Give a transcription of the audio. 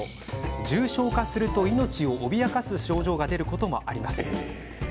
重症化すると、命を脅かす症状が出ることもあります。